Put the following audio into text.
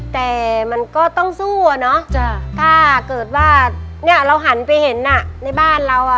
แต่มันก็ต้องสู้อะเนาะถ้าเกิดว่าเนี่ยเราหันไปเห็นอ่ะในบ้านเราอ่ะ